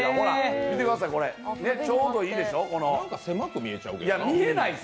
見てください、ちょうどいいでしょ何か狭く見えちゃうけどな。